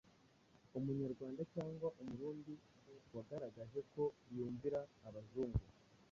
Umunyarwanda cyangwa Umurundi wagaragaje ko yumvira Abazungu,